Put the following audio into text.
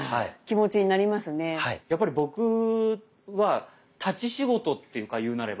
やっぱり僕は立ち仕事っていうか言うなれば。